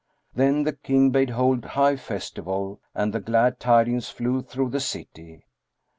Then the King bade hold high festival, and the glad tidings flew through the city.